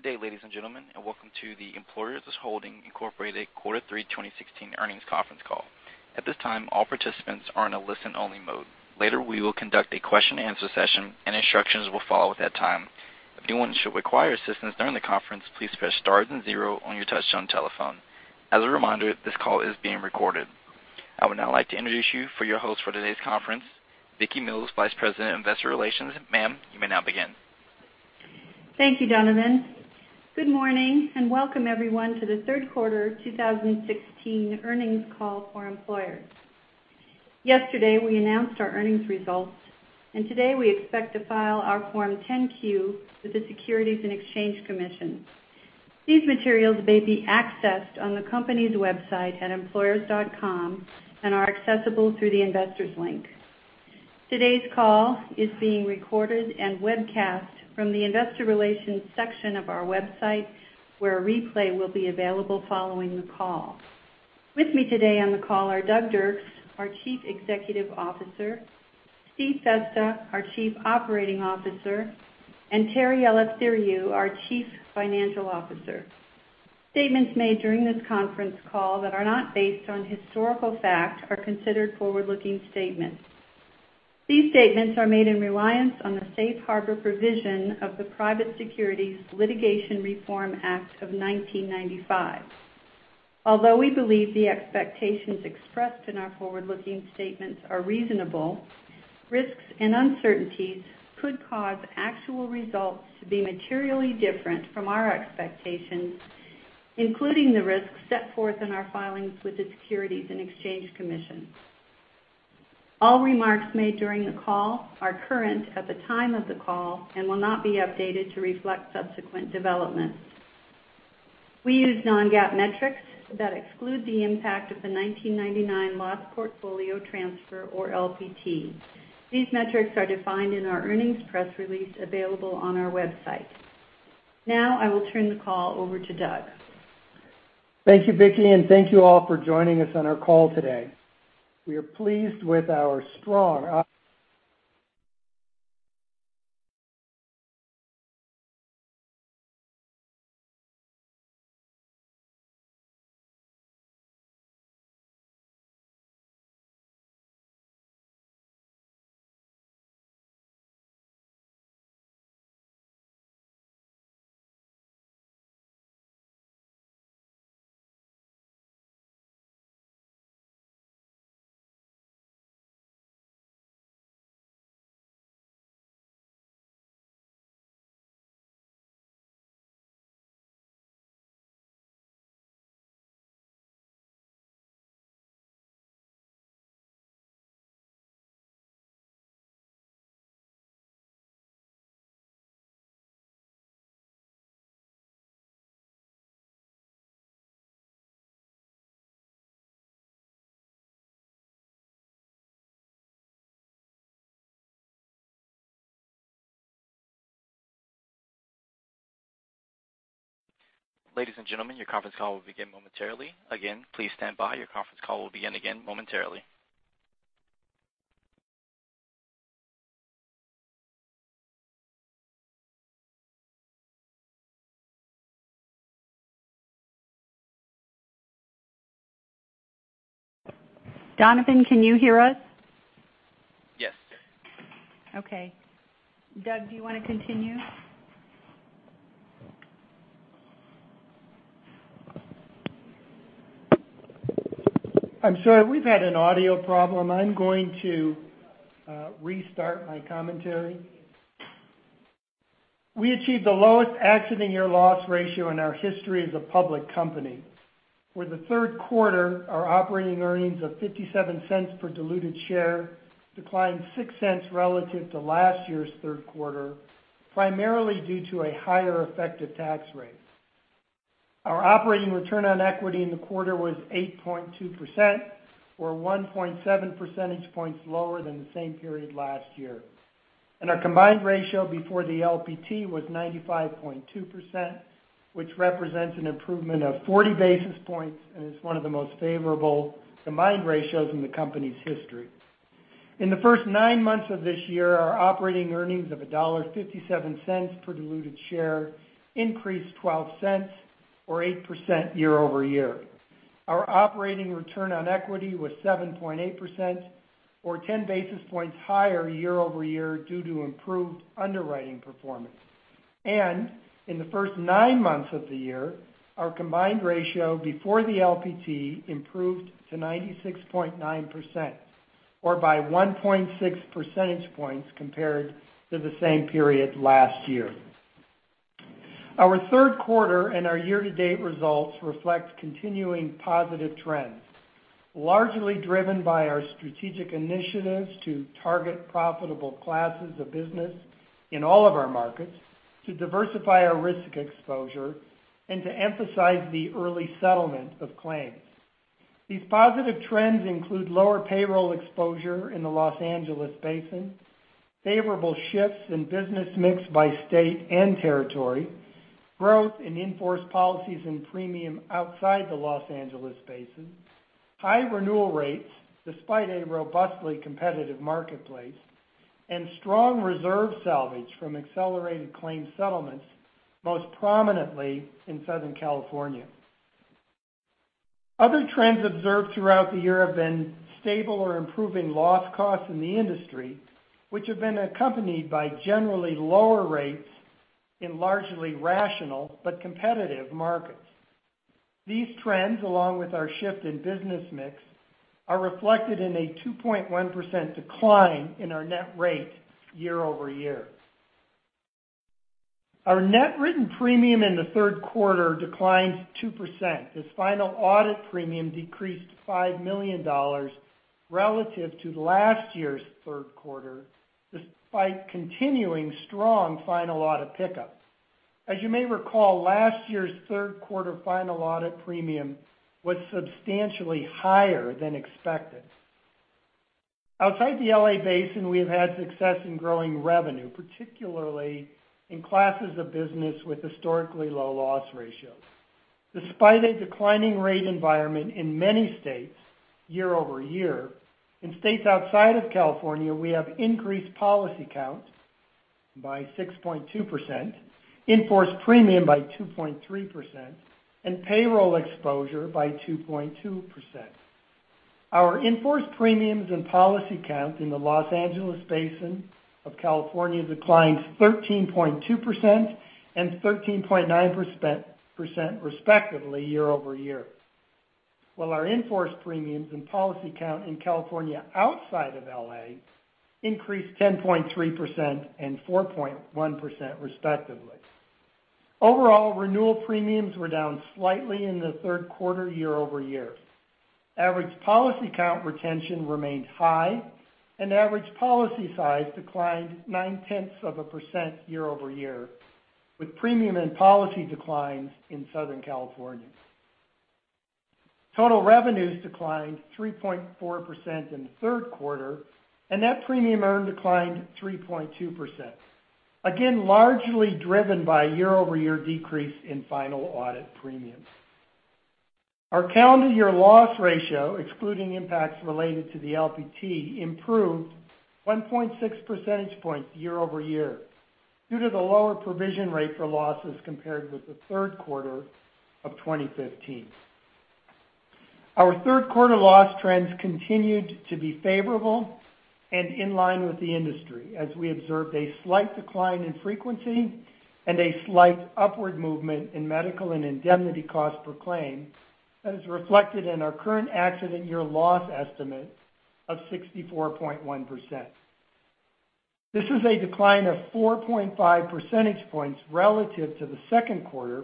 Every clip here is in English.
Good day, ladies and gentlemen, welcome to the Employers Holdings, Inc. Quarter 3 2016 earnings conference call. At this time, all participants are in a listen-only mode. Later, we will conduct a question and answer session, and instructions will follow at that time. If anyone should require assistance during the conference, please press star then zero on your touch-tone telephone. As a reminder, this call is being recorded. I would now like to introduce you for your host for today's conference, Vicki Erickson-Mills, Vice President Investor Relations. Ma'am, you may now begin. Thank you, Donovan. Good morning, welcome everyone to the third quarter 2016 earnings call for Employers. Yesterday, we announced our earnings results, today we expect to file our Form 10-Q with the Securities and Exchange Commission. These materials may be accessed on the company's website at employers.com and are accessible through the investors link. Today's call is being recorded and webcast from the investor relations section of our website, where a replay will be available following the call. With me today on the call are Doug Dirks, our Chief Executive Officer, Steve Festa, our Chief Operating Officer, and Terry Eleftheriou, our Chief Financial Officer. Statements made during this conference call that are not based on historical fact are considered forward-looking statements. These statements are made in reliance on the safe harbor provision of the Private Securities Litigation Reform Act of 1995. Although we believe the expectations expressed in our forward-looking statements are reasonable, risks and uncertainties could cause actual results to be materially different from our expectations, including the risks set forth in our filings with the Securities and Exchange Commission. All remarks made during the call are current at the time of the call and will not be updated to reflect subsequent developments. We use non-GAAP metrics that exclude the impact of the 1999 Loss Portfolio Transfer, or LPT. These metrics are defined in our earnings press release available on our website. I will turn the call over to Doug. Thank you, Vicki, thank you all for joining us on our call today. We are pleased with our strong Ladies and gentlemen, your conference call will begin momentarily. Again, please stand by. Your conference call will begin again momentarily. Donovan, can you hear us? Yes. Okay. Doug, do you want to continue? I'm sorry. We've had an audio problem. I'm going to restart my commentary. We achieved the lowest accident year loss ratio in our history as a public company. For the third quarter, our operating earnings of $0.57 per diluted share declined $0.06 relative to last year's third quarter, primarily due to a higher effective tax rate. Our operating return on equity in the quarter was 8.2%, or 1.7 percentage points lower than the same period last year. Our combined ratio before the LPT was 95.2%, which represents an improvement of 40 basis points and is one of the most favorable combined ratios in the company's history. In the first nine months of this year, our operating earnings of $1.57 per diluted share increased $0.12 or 8% year-over-year. Our operating return on equity was 7.8% or 10 basis points higher year-over-year due to improved underwriting performance. In the first nine months of the year, our combined ratio before the LPT improved to 96.9% or by 1.6 percentage points compared to the same period last year. Our third quarter and our year-to-date results reflect continuing positive trends, largely driven by our strategic initiatives to target profitable classes of business in all of our markets, to diversify our risk exposure, and to emphasize the early settlement of claims. These positive trends include lower payroll exposure in the Los Angeles Basin, favorable shifts in business mix by state and territory, growth in in-force policies and premium outside the Los Angeles Basin, high renewal rates despite a robustly competitive marketplace. Strong reserve salvage from accelerated claims settlements, most prominently in Southern California. Other trends observed throughout the year have been stable or improving loss costs in the industry, which have been accompanied by generally lower rates in largely rational but competitive markets. These trends, along with our shift in business mix, are reflected in a 2.1% decline in our net rate year-over-year. Our net written premium in the third quarter declined 2% as final audit premium decreased $5 million relative to last year's third quarter, despite continuing strong final audit pickups. As you may recall, last year's third quarter final audit premium was substantially higher than expected. Outside the L.A. Basin, we have had success in growing revenue, particularly in classes of business with historically low loss ratios. Despite a declining rate environment in many states year-over-year, in states outside of California, we have increased policy count by 6.2%, in-force premium by 2.3%, and payroll exposure by 2.2%. Our in-force premiums and policy count in the Los Angeles Basin of California declined 13.2% and 13.9%, respectively, year-over-year. While our in-force premiums and policy count in California outside of L.A. increased 10.3% and 4.1%, respectively. Overall, renewal premiums were down slightly in the third quarter year-over-year. Average policy count retention remained high, and average policy size declined nine-tenths of a percent year-over-year, with premium and policy declines in Southern California. Total revenues declined 3.4% in the third quarter, and net premium earned declined 3.2%. Largely driven by a year-over-year decrease in final audit premiums. Our calendar year loss ratio, excluding impacts related to the LPT, improved 1.6 percentage points year-over-year due to the lower provision rate for losses compared with the third quarter of 2015. Our third quarter loss trends continued to be favorable and in line with the industry as we observed a slight decline in frequency and a slight upward movement in medical and indemnity cost per claim that is reflected in our current accident year loss estimate of 64.1%. This is a decline of 4.5 percentage points relative to the second quarter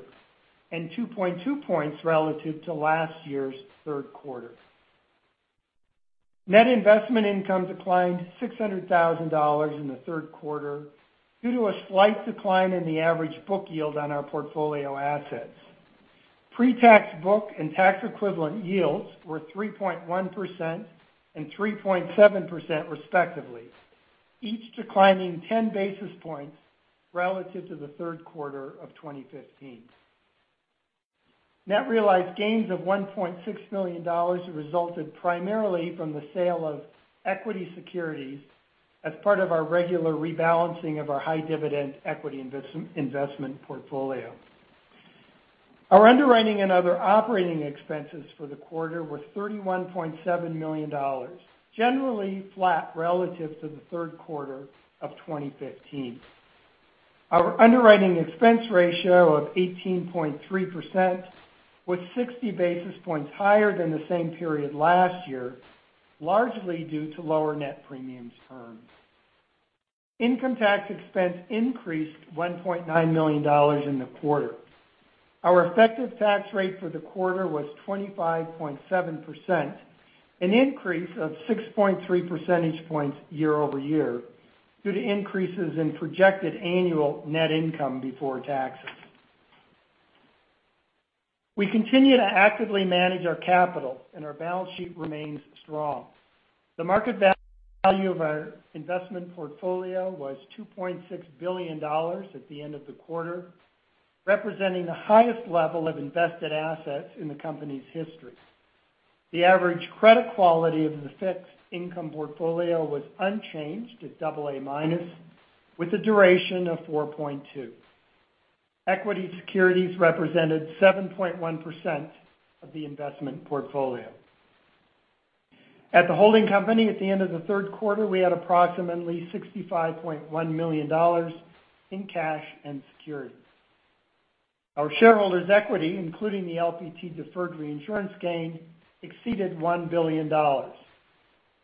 and 2.2 points relative to last year's third quarter. Net investment income declined $600,000 in the third quarter due to a slight decline in the average book yield on our portfolio assets. Pre-tax book and tax-equivalent yields were 3.1% and 3.7%, respectively, each declining 10 basis points relative to the third quarter of 2015. Net realized gains of $1.6 million resulted primarily from the sale of equity securities as part of our regular rebalancing of our high-dividend equity investment portfolio. Our underwriting and other operating expenses for the quarter were $31.7 million, generally flat relative to the third quarter of 2015. Our underwriting expense ratio of 18.3% was 60 basis points higher than the same period last year, largely due to lower net premiums earned. Income tax expense increased $1.9 million in the quarter. Our effective tax rate for the quarter was 25.7%, an increase of 6.3 percentage points year-over-year due to increases in projected annual net income before taxes. We continue to actively manage our capital, and our balance sheet remains strong. The market value of our investment portfolio was $2.6 billion at the end of the quarter, representing the highest level of invested assets in the company's history. The average credit quality of the fixed income portfolio was unchanged at AA- with a duration of 4.2. Equity securities represented 7.1% of the investment portfolio. At the holding company at the end of the third quarter, we had approximately $65.1 million in cash and securities. Our shareholders' equity, including the LPT deferred reinsurance gain, exceeded $1 billion.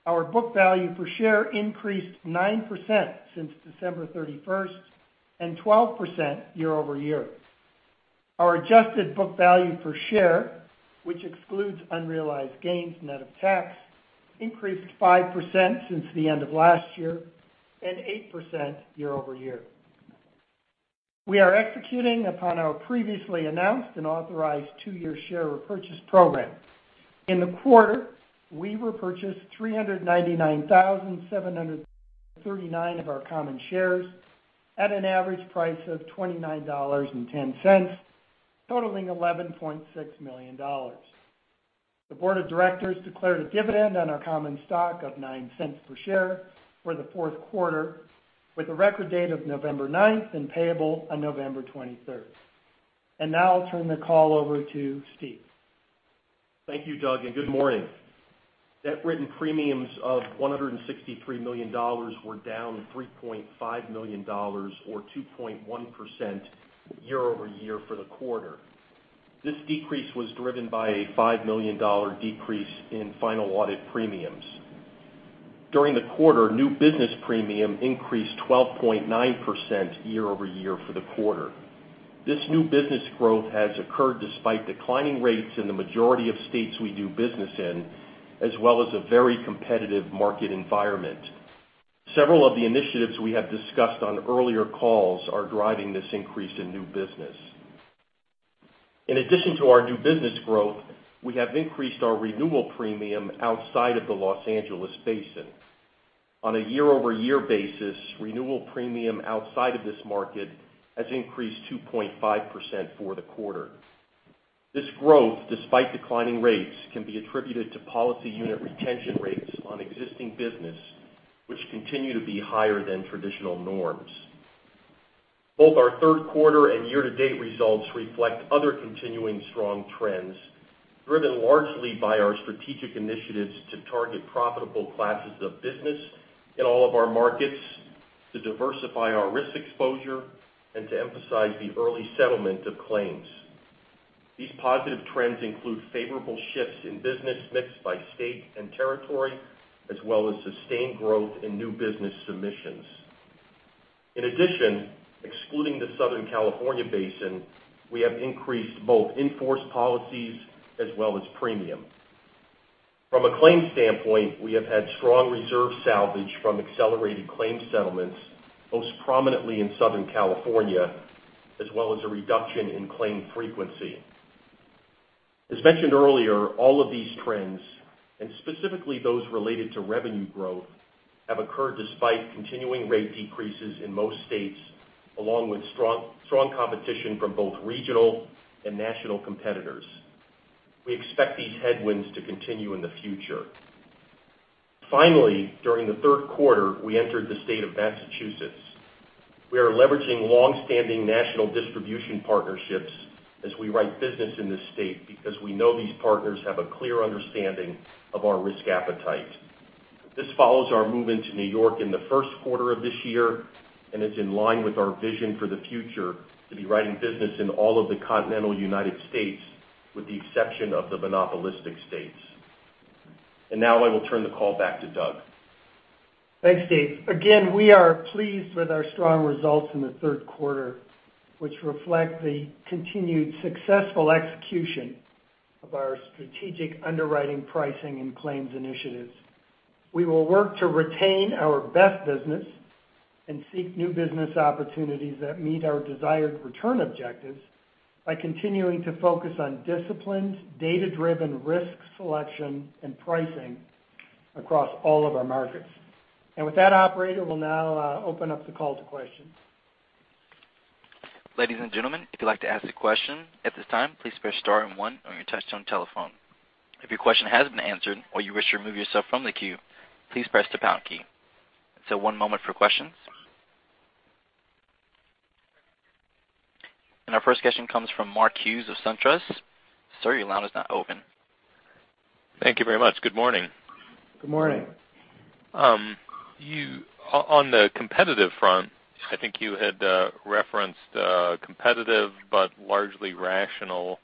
Our book value per share increased 9% since December 31st and 12% year-over-year. Our adjusted book value per share, which excludes unrealized gains net of tax, increased 5% since the end of last year and 8% year-over-year. We are executing upon our previously announced and authorized two-year share repurchase program. In the quarter, we repurchased 399,739 of our common shares at an average price of $29.10, totaling $11.6 million. The board of directors declared a dividend on our common stock of $0.09 per share for the fourth quarter, with a record date of November 9th and payable on November 23rd. Now I'll turn the call over to Steve. Thank you, Doug, and good morning. Net written premiums of $163 million were down $3.5 million, or 2.1%, year-over-year for the quarter. This decrease was driven by a $5 million decrease in final audit premiums. During the quarter, new business premium increased 12.9% year-over-year for the quarter. This new business growth has occurred despite declining rates in the majority of states we do business in, as well as a very competitive market environment. Several of the initiatives we have discussed on earlier calls are driving this increase in new business. In addition to our new business growth, we have increased our renewal premium outside of the Los Angeles basin. On a year-over-year basis, renewal premium outside of this market has increased 2.5% for the quarter. This growth, despite declining rates, can be attributed to policy unit retention rates on existing business, which continue to be higher than traditional norms. Both our third quarter and year-to-date results reflect other continuing strong trends, driven largely by our strategic initiatives to target profitable classes of business in all of our markets, to diversify our risk exposure, and to emphasize the early settlement of claims. These positive trends include favorable shifts in business mix by state and territory, as well as sustained growth in new business submissions. In addition, excluding the Southern California basin, we have increased both in-force policies as well as premium. From a claims standpoint, we have had strong reserve salvage from accelerated claims settlements, most prominently in Southern California, as well as a reduction in claim frequency. As mentioned earlier, all of these trends, and specifically those related to revenue growth, have occurred despite continuing rate decreases in most states, along with strong competition from both regional and national competitors. We expect these headwinds to continue in the future. Finally, during the third quarter, we entered the state of Massachusetts. We are leveraging long-standing national distribution partnerships as we write business in this state because we know these partners have a clear understanding of our risk appetite. This follows our movement to New York in the first quarter of this year and is in line with our vision for the future to be writing business in all of the continental United States, with the exception of the monopolistic states. Now I will turn the call back to Doug. Thanks, Steve. Again, we are pleased with our strong results in the third quarter, which reflect the continued successful execution of our strategic underwriting pricing and claims initiatives. We will work to retain our best business and seek new business opportunities that meet our desired return objectives by continuing to focus on disciplined, data-driven risk selection and pricing across all of our markets. With that, operator, we'll now open up the call to questions. Ladies and gentlemen, if you'd like to ask a question at this time, please press star and one on your touchtone telephone. If your question has been answered or you wish to remove yourself from the queue, please press the pound key. So one moment for questions. Our first question comes from Mark Hughes of SunTrust. Sir, your line is now open. Thank you very much. Good morning. Good morning. On the competitive front, I think you had referenced competitive but largely rational.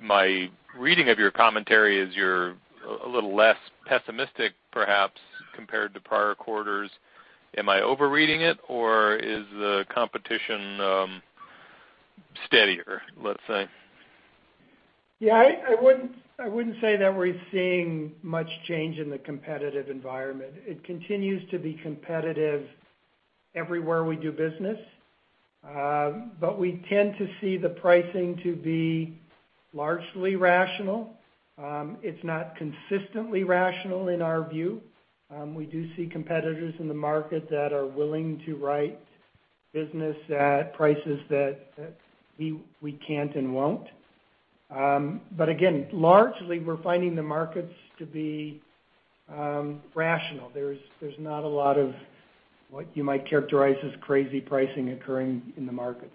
My reading of your commentary is you're a little less pessimistic, perhaps, compared to prior quarters. Am I overreading it, or is the competition steadier, let's say? Yeah, I wouldn't say that we're seeing much change in the competitive environment. It continues to be competitive everywhere we do business. We tend to see the pricing to be largely rational. It's not consistently rational in our view. We do see competitors in the market that are willing to write business at prices that we can't and won't. Again, largely, we're finding the markets to be rational. There's not a lot of what you might characterize as crazy pricing occurring in the markets.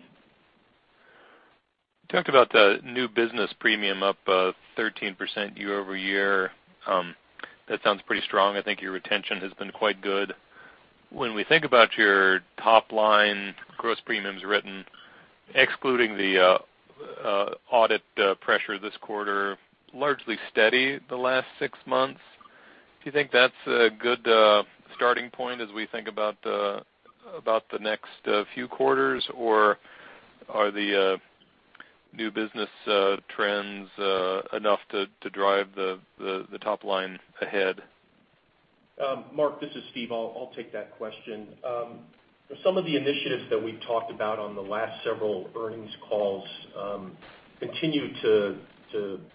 You talked about the new business premium up 13% year-over-year. That sounds pretty strong. I think your retention has been quite good. When we think about your top-line gross premiums written, excluding the audit pressure this quarter, largely steady the last six months. Do you think that's a good starting point as we think about the next few quarters? Are the new business trends enough to drive the top line ahead? Mark, this is Steve. I'll take that question. Some of the initiatives that we've talked about on the last several earnings calls continue to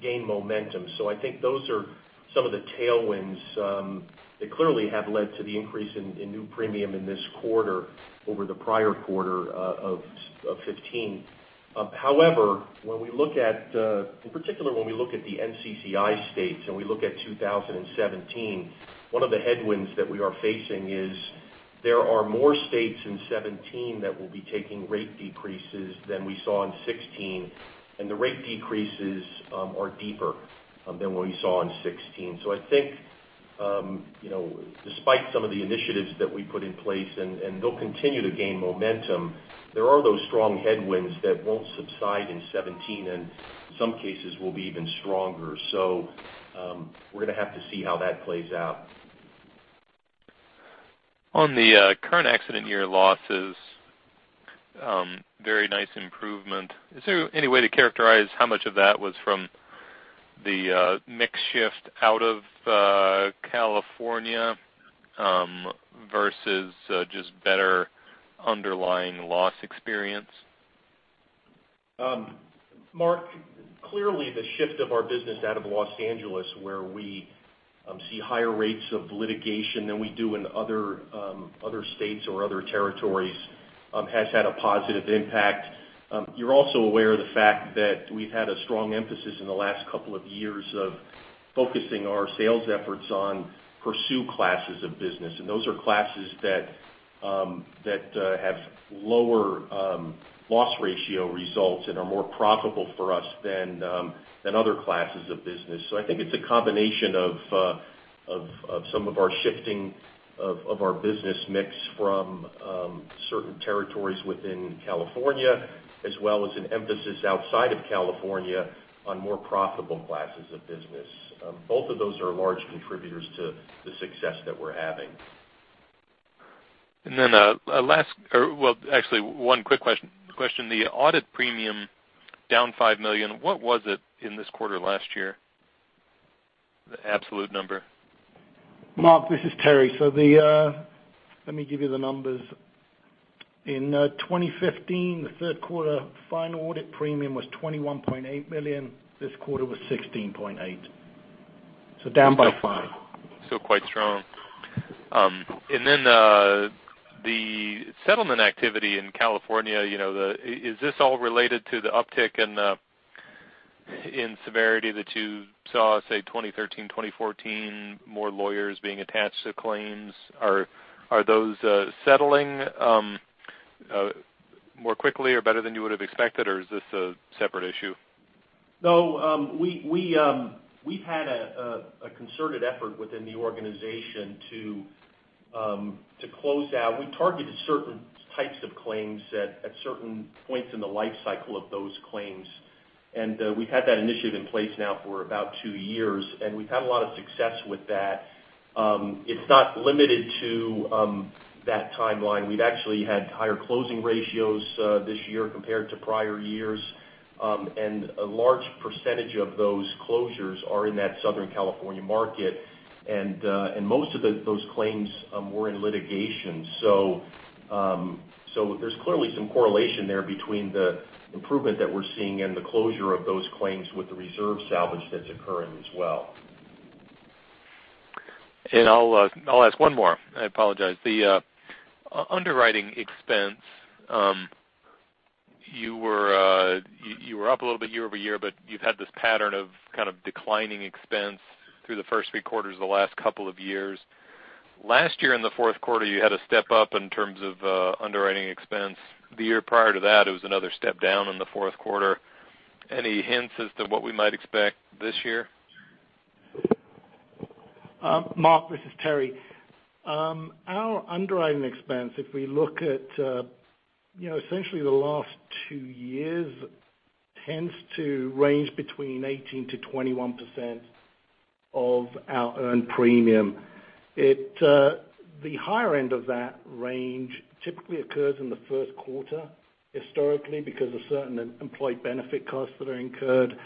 gain momentum. I think those are some of the tailwinds that clearly have led to the increase in new premium in this quarter over the prior quarter of 2015. However, in particular, when we look at the NCCI states and we look at 2017, one of the headwinds that we are facing is there are more states in 2017 that will be taking rate decreases than we saw in 2016, and the rate decreases are deeper than what we saw in 2016. I think, despite some of the initiatives that we put in place, and they'll continue to gain momentum, there are those strong headwinds that won't subside in 2017 and some cases will be even stronger. We're going to have to see how that plays out. On the current accident year losses, very nice improvement. Is there any way to characterize how much of that was from the mix shift out of California versus just better underlying loss experience? Mark, clearly the shift of our business out of L.A., where we see higher rates of litigation than we do in other states or other territories, has had a positive impact. You're also aware of the fact that we've had a strong emphasis in the last couple of years of focusing our sales efforts on pursue classes of business, and those are classes that have lower loss ratio results and are more profitable for us than other classes of business. I think it's a combination of some of our shifting of our business mix from certain territories within California, as well as an emphasis outside of California on more profitable classes of business. Both of those are large contributors to the success that we're having. Actually one quick question. The audit premium down $5 million. What was it in this quarter last year? The absolute number. Mark, this is Terry. Let me give you the numbers. In 2015, the third quarter final audit premium was $21.8 million. This quarter was $16.8 million, down by five. Still quite strong. The settlement activity in California, is this all related to the uptick in severity that you saw, say, 2013, 2014, more lawyers being attached to claims? Are those settling more quickly or better than you would've expected, or is this a separate issue? No, we've had a concerted effort within the organization to close out. We targeted certain types of claims at certain points in the life cycle of those claims. We've had that initiative in place now for about two years, and we've had a lot of success with that. It's not limited to that timeline. We've actually had higher closing ratios this year compared to prior years. A large percentage of those closures are in that Southern California market. Most of those claims were in litigation. There's clearly some correlation there between the improvement that we're seeing and the closure of those claims with the reserve salvage that's occurring as well. I'll ask one more. I apologize. The underwriting expense, you were up a little bit year-over-year, but you've had this pattern of kind of declining expense through the first three quarters of the last couple of years. Last year in the fourth quarter, you had a step up in terms of underwriting expense. The year prior to that, it was another step down in the fourth quarter. Any hints as to what we might expect this year? Mark, this is Terry. Our underwriting expense, if we look at essentially the last two years, tends to range between 18%-21% of our earned premium. The higher end of that range typically occurs in the first quarter historically because of certain employee benefit costs that are incurred.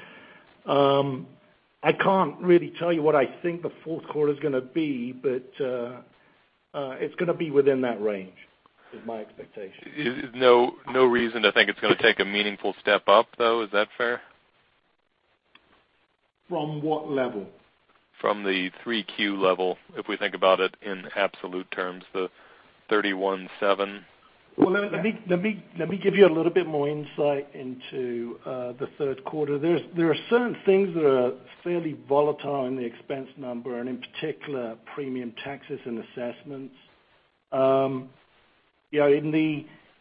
I can't really tell you what I think the fourth quarter's going to be, but it's going to be within that range, is my expectation. No reason to think it's going to take a meaningful step up, though, is that fair? From what level? From the 3Q level, if we think about it in absolute terms, the 317. Let me give you a little bit more insight into the third quarter. There are certain things that are fairly volatile in the expense number, and in particular, premium taxes and assessments.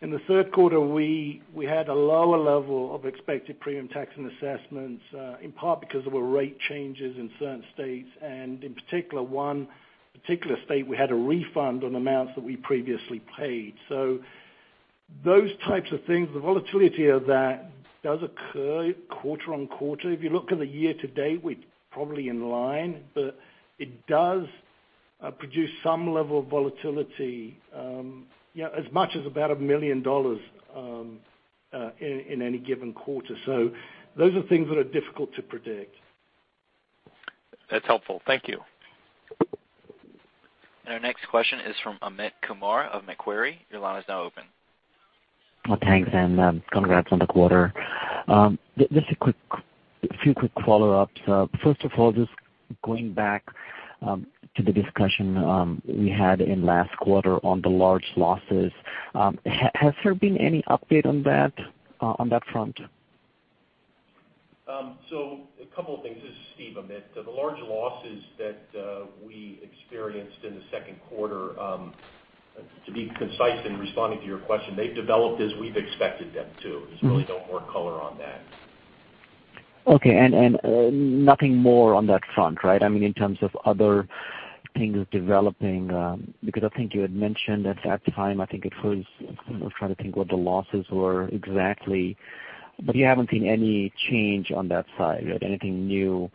In the third quarter, we had a lower level of expected premium tax and assessments, in part because there were rate changes in certain states, and in particular one particular state, we had a refund on amounts that we previously paid. Those types of things, the volatility of that does occur quarter-on-quarter. If you look at the year-to-date, we're probably in line, but it does produce some level of volatility, as much as about $1 million in any given quarter. Those are things that are difficult to predict. That's helpful. Thank you. Our next question is from Amit Kumar of Macquarie. Your line is now open. Thanks. Congrats on the quarter. Just a few quick follow-ups. First of all, just going back to the discussion we had in last quarter on the large losses, has there been any update on that front? A couple of things. This is Steve. Amit, the large losses that we experienced in the second quarter, to be concise in responding to your question, they've developed as we've expected them to. There's really no more color on that. Okay. Nothing more on that front, right? In terms of other things developing, because I think you had mentioned at that time, I think it was, I'm trying to think what the losses were exactly, but you haven't seen any change on that side, right? Anything new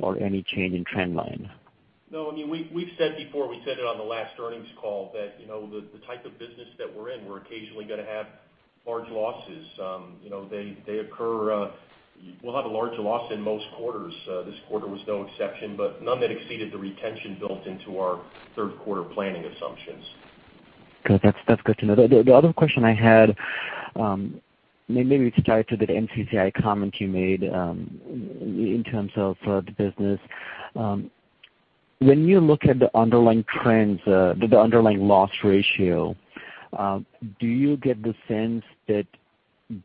or any change in trend line? We've said before, we said it on the last earnings call that, the type of business that we're in, we're occasionally going to have large losses. We'll have a large loss in most quarters. This quarter was no exception. None that exceeded the retention built into our third quarter planning assumptions. Good. That's good to know. The other question I had, maybe tied to the NCCI comment you made in terms of the business. When you look at the underlying trends, the underlying loss ratio, do you get the sense that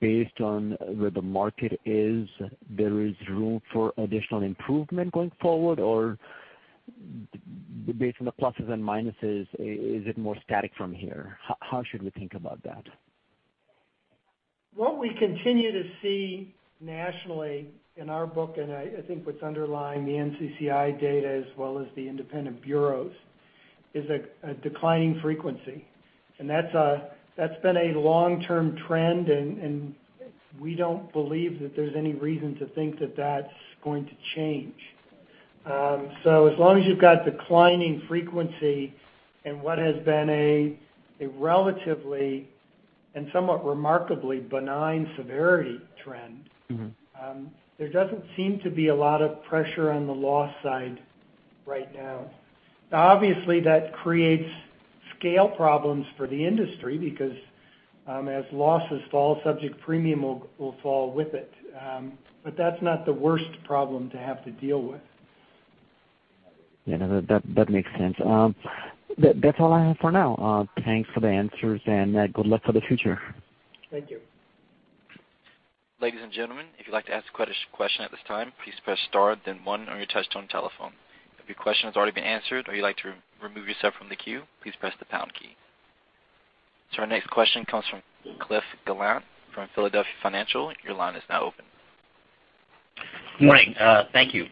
based on where the market is, there is room for additional improvement going forward? Based on the pluses and minuses, is it more static from here? How should we think about that? What we continue to see nationally in our book, I think what's underlying the NCCI data as well as the independent bureaus, is a declining frequency. That's been a long-term trend. We don't believe that there's any reason to think that that's going to change. As long as you've got declining frequency and what has been a relatively and somewhat remarkably benign severity trend. There doesn't seem to be a lot of pressure on the loss side right now. Obviously, that creates scale problems for the industry because as losses fall, subject premium will fall with it. That's not the worst problem to have to deal with. Yeah. No, that makes sense. That's all I have for now. Thanks for the answers, and good luck for the future. Thank you. Ladies and gentlemen, if you'd like to ask a question at this time, please press star then one on your touchtone telephone. If your question has already been answered or you'd like to remove yourself from the queue, please press the pound key. Our next question comes from Cliff Gallant from Philadelphia Financial. Your line is now open. Good morning. Thank you.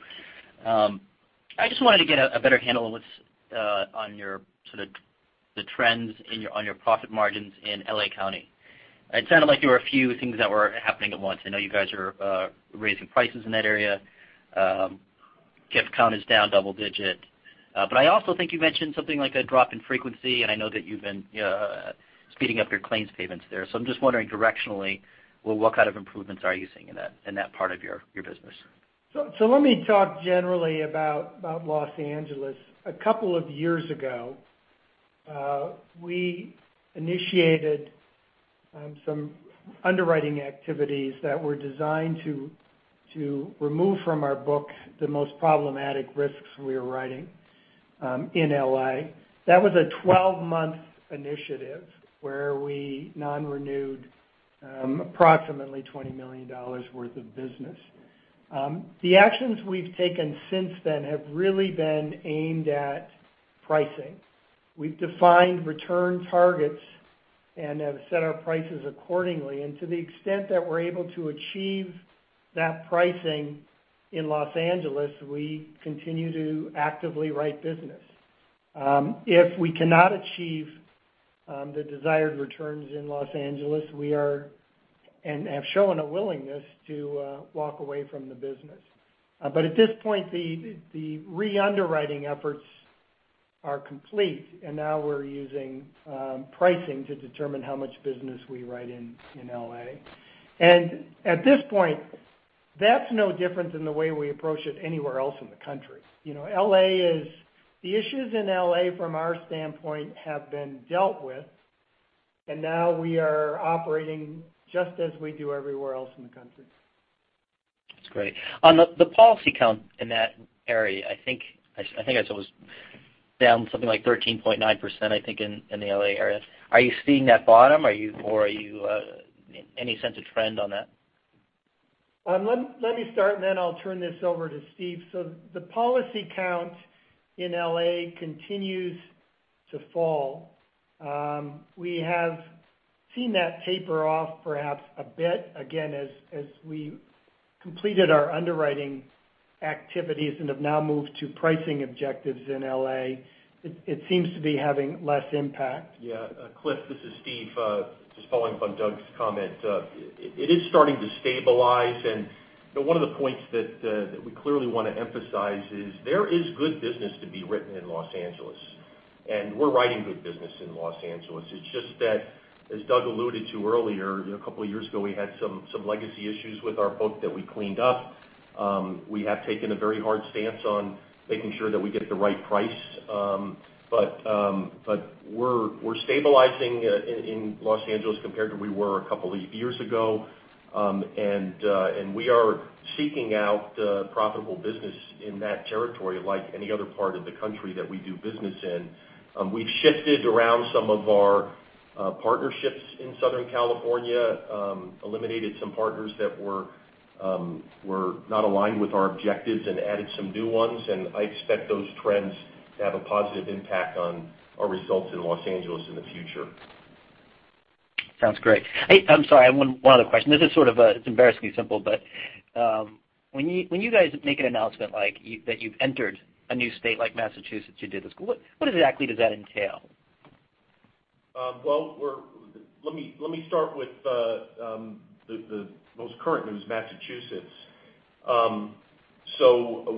I just wanted to get a better handle on your sort of the trends on your profit margins in L.A. County. It sounded like there were a few things that were happening at once. I know you guys are raising prices in that area. [Gift count is down double digit. I also think you mentioned something like a drop in frequency, and I know that you've been speeding up your claims payments there. I'm just wondering directionally, what kind of improvements are you seeing in that part of your business? Let me talk generally about Los Angeles. A couple of years ago, we initiated some underwriting activities that were designed to remove from our book the most problematic risks we were writing in L.A. That was a 12-month initiative where we non-renewed approximately $20 million worth of business. The actions we've taken since then have really been aimed at pricing. We've defined return targets and have set our prices accordingly. To the extent that we're able to achieve that pricing in Los Angeles, we continue to actively write business. If we cannot achieve the desired returns in Los Angeles, we are and have shown a willingness to walk away from the business. At this point, the re-underwriting efforts are complete, and now we're using pricing to determine how much business we write in L.A. At this point, that's no different than the way we approach it anywhere else in the country. The issues in L.A. from our standpoint have been dealt with, and now we are operating just as we do everywhere else in the country. That's great. On the policy count in that area, I think I saw was down something like 13.9%, I think, in the L.A. area. Are you seeing that bottom, or any sense of trend on that? Let me start, and then I'll turn this over to Steve. The policy count in L.A. continues to fall. We have seen that taper off perhaps a bit again as we completed our underwriting activities and have now moved to pricing objectives in L.A. It seems to be having less impact. Yeah. Cliff, this is Steve. Just following up on Doug's comment. It is starting to stabilize, and one of the points that we clearly want to emphasize is there is good business to be written in L.A., and we are writing good business in L.A. It is just that, as Doug alluded to earlier, a couple of years ago, we had some legacy issues with our book that we cleaned up. We have taken a very hard stance on making sure that we get the right price. But we are stabilizing in L.A. compared to where we were a couple of years ago. We are seeking out profitable business in that territory, like any other part of the country that we do business in. We have shifted around some of our partnerships in Southern California, eliminated some partners that were not aligned with our objectives, and added some new ones. I expect those trends to have a positive impact on our results in L.A. in the future. Sounds great. I'm sorry, I have one other question. This is embarrassingly simple, but when you guys make an announcement that you've entered a new state like Massachusetts, you did this. What exactly does that entail? Let me start with the most current news, Massachusetts.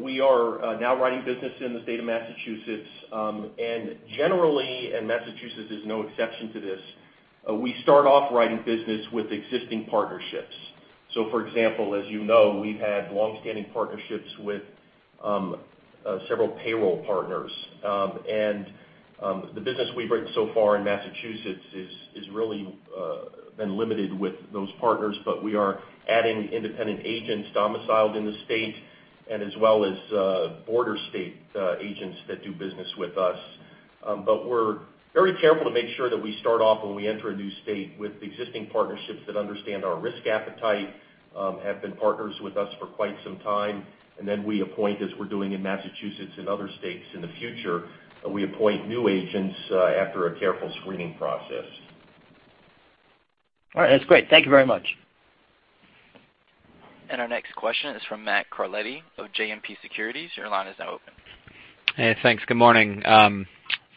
We are now writing business in the state of Massachusetts. Generally, and Massachusetts is no exception to this, we start off writing business with existing partnerships. For example, as you know, we've had longstanding partnerships with several payroll partners. The business we've written so far in Massachusetts has really been limited with those partners, but we are adding independent agents domiciled in the state and as well as border state agents that do business with us. But we are very careful to make sure that we start off when we enter a new state with existing partnerships that understand our risk appetite, have been partners with us for quite some time. Then we appoint, as we are doing in Massachusetts and other states in the future, we appoint new agents after a careful screening process. All right. That's great. Thank you very much. Our next question is from Matthew Carletti of JMP Securities. Your line is now open. Hey, thanks. Good morning. Let's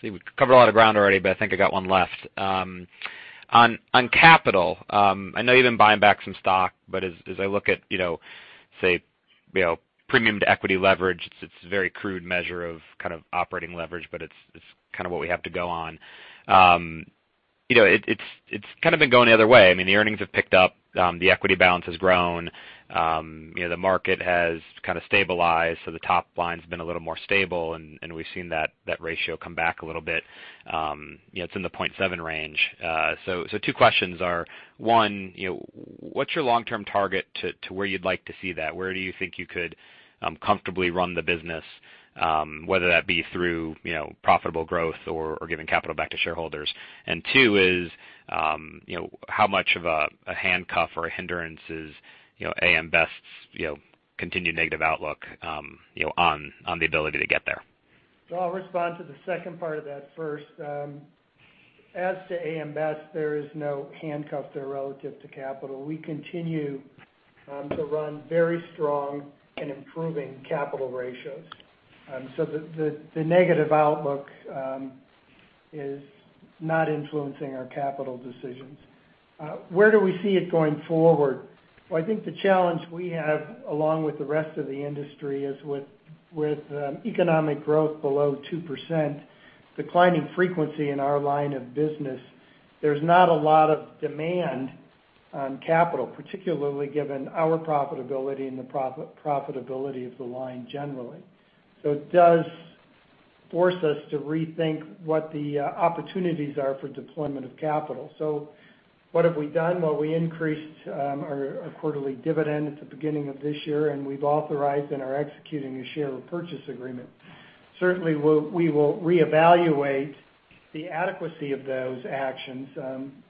see, we've covered a lot of ground already, but I think I got one left. On capital, I know you've been buying back some stock, but as I look at premium to equity leverage, it's a very crude measure of kind of operating leverage, but it's kind of what we have to go on. It's kind of been going the other way. The earnings have picked up. The equity balance has grown. The market has kind of stabilized, so the top line's been a little more stable, and we've seen that ratio come back a little bit. It's in the 0.7 range. Two questions are, one, what's your long-term target to where you'd like to see that? Where do you think you could comfortably run the business, whether that be through profitable growth or giving capital back to shareholders? Two is, how much of a handcuff or a hindrance is AM Best's continued negative outlook on the ability to get there? I'll respond to the second part of that first. As to AM Best, there is no handcuff there relative to capital. We continue to run very strong and improving capital ratios. The negative outlook is not influencing our capital decisions. Where do we see it going forward? Well, I think the challenge we have, along with the rest of the industry, is with economic growth below 2%, declining frequency in our line of business, there's not a lot of demand on capital, particularly given our profitability and the profitability of the line generally. It does force us to rethink what the opportunities are for deployment of capital. What have we done? Well, we increased our quarterly dividend at the beginning of this year, and we've authorized and are executing a share repurchase agreement. Certainly, we will reevaluate the adequacy of those actions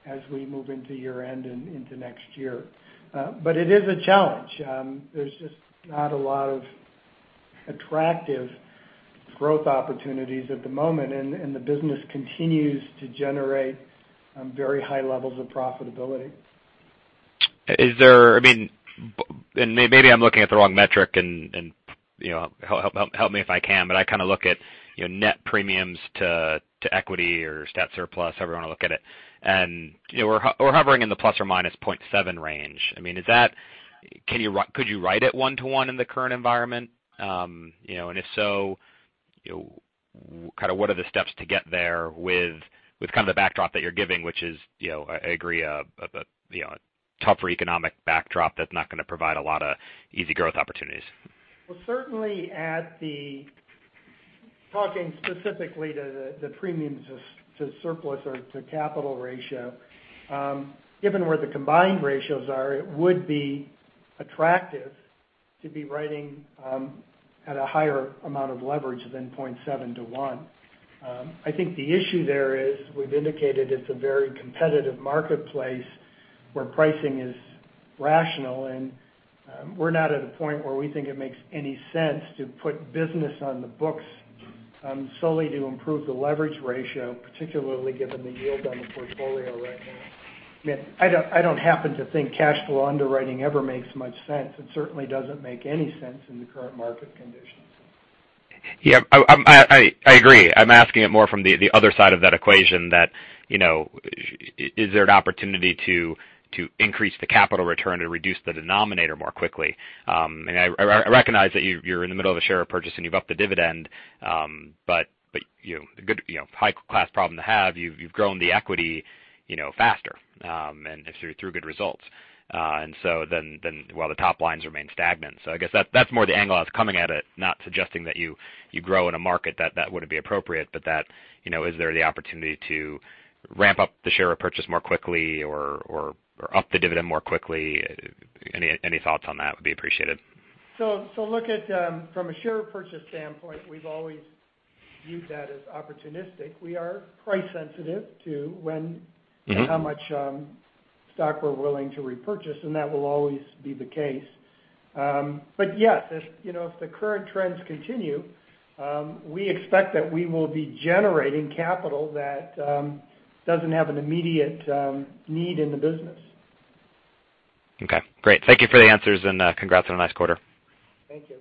as we move into year-end and into next year. It is a challenge. There's just not a lot of attractive growth opportunities at the moment, and the business continues to generate very high levels of profitability. Is there, maybe I'm looking at the wrong metric and help me if I can, but I kind of look at net premiums to equity or stat surplus, however you want to look at it. We're hovering in the ±0.7 range. Could you write it 1 to 1 in the current environment? If so, what are the steps to get there with kind of the backdrop that you're giving, which is, I agree, a tougher economic backdrop that's not going to provide a lot of easy growth opportunities. Well, certainly talking specifically to the premiums to surplus or to capital ratio. Given where the combined ratios are, it would be attractive to be writing at a higher amount of leverage than 0.7 to 1. I think the issue there is we've indicated it's a very competitive marketplace where pricing is rational, and we're not at a point where we think it makes any sense to put business on the books solely to improve the leverage ratio, particularly given the yield on the portfolio right now. I don't happen to think cash flow underwriting ever makes much sense. It certainly doesn't make any sense in the current market conditions. Yeah, I agree. I'm asking it more from the other side of that equation that, you know, is there an opportunity to increase the capital return and reduce the denominator more quickly? I recognize that you're in the middle of a share repurchase and you've upped the dividend. The good high-class problem to have, you've grown the equity faster and through good results. While the top lines remain stagnant. I guess that's more the angle I was coming at it, not suggesting that you grow in a market that wouldn't be appropriate, but that is there the opportunity to ramp up the share repurchase more quickly or up the dividend more quickly? Any thoughts on that would be appreciated. Look at, from a share purchase standpoint, we've always viewed that as opportunistic. We are price sensitive to when How much stock we're willing to repurchase, and that will always be the case. Yes, if the current trends continue, we expect that we will be generating capital that doesn't have an immediate need in the business. Okay, great. Thank you for the answers and congrats on a nice quarter. Thank you.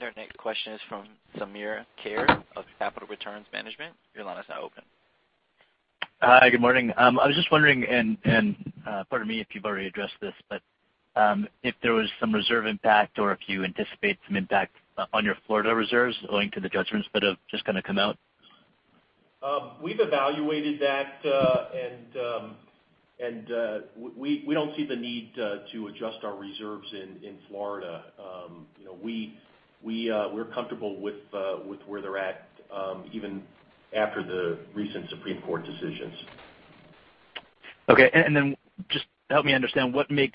Our next question is from Sameer Khair of Capital Returns Management. Your line is now open. Hi, good morning. I was just wondering and, pardon me if you've already addressed this, but if there was some reserve impact or if you anticipate some impact on your Florida reserves owing to the judgments that have just kind of come out. We've evaluated that, and we don't see the need to adjust our reserves in Florida. We're comfortable with where they're at, even after the recent Supreme Court decisions. Okay. Just help me understand, is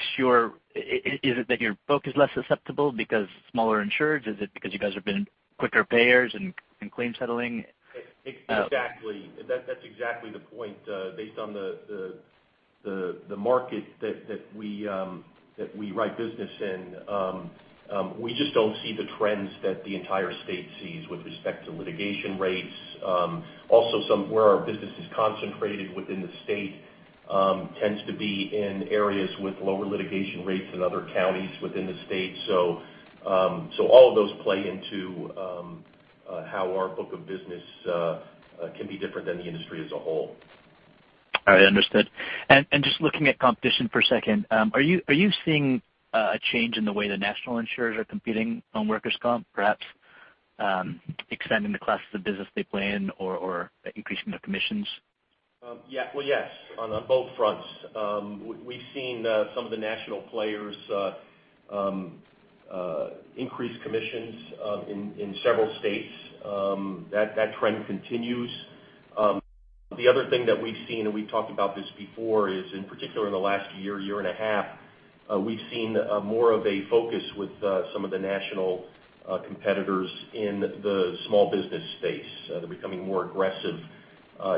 it that your book is less susceptible because smaller insureds? Is it because you guys have been quicker payers in claim settling? Exactly. That's exactly the point. Based on the market that we write business in, we just don't see the trends that the entire state sees with respect to litigation rates. Also some where our business is concentrated within the state tends to be in areas with lower litigation rates than other counties within the state. All of those play into how our book of business can be different than the industry as a whole. All right. Understood. Just looking at competition for a second, are you seeing a change in the way the national insurers are competing on workers' comp, perhaps expanding the classes of business they play in or increasing their commissions? Well, yes, on both fronts. We've seen some of the national players increase commissions in several states. That trend continues. The other thing that we've seen, and we've talked about this before, is in particular in the last year and a half, we've seen more of a focus with some of the national competitors in the small business space. They're becoming more aggressive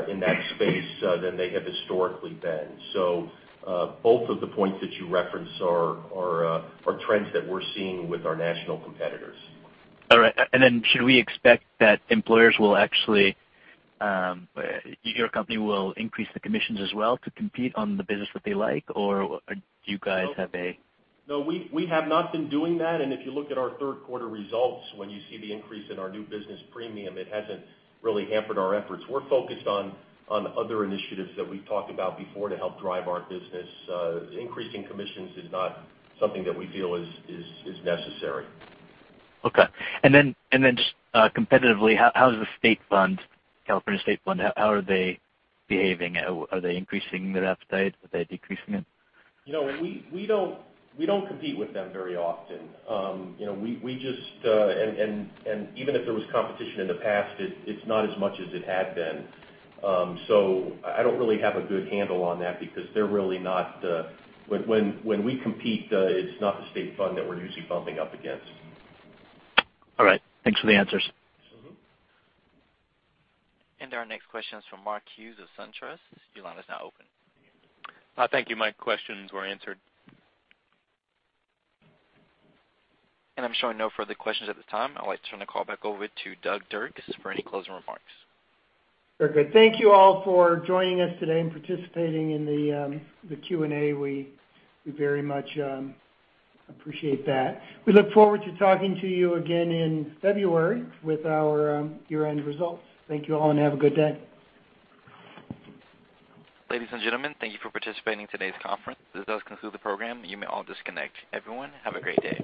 in that space than they have historically been. Both of the points that you referenced are trends that we're seeing with our national competitors. Should we expect that Employers will actually, your company will increase the commissions as well to compete on the business that they like? Do you guys have a- No, we have not been doing that, if you look at our third quarter results, when you see the increase in our new business premium, it hasn't really hampered our efforts. We're focused on other initiatives that we've talked about before to help drive our business. Increasing commissions is not something that we feel is necessary. Okay. Just competitively, how's the State Fund, California State Fund, how are they behaving? Are they increasing their appetite? Are they decreasing it? We don't compete with them very often. Even if there was competition in the past, it's not as much as it had been. I don't really have a good handle on that because When we compete, it's not the State Fund that we're usually bumping up against. All right. Thanks for the answers. Our next question's from Mark Hughes of SunTrust. Your line is now open. Thank you. My questions were answered. I'm showing no further questions at this time. I'd like to turn the call back over to Doug Dirks for any closing remarks. Very good. Thank you all for joining us today and participating in the Q&A. We very much appreciate that. We look forward to talking to you again in February with our year-end results. Thank you all, and have a good day. Ladies and gentlemen, thank you for participating in today's conference. This does conclude the program. You may all disconnect. Everyone, have a great day.